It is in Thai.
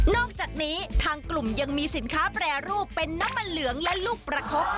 อกจากนี้ทางกลุ่มยังมีสินค้าแปรรูปเป็นน้ำมันเหลืองและลูกประคบ